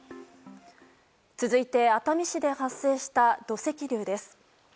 続いて熱海市で発生した土石流です。